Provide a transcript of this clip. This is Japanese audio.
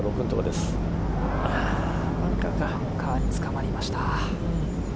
バンカーにつかまりました。